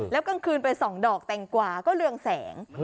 แล้วกลางคืนไปส่องดอกแตงกว่าก็เรืองแสง